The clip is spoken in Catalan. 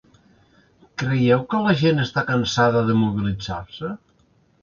Creieu que la gent està cansada de mobilitzar-se?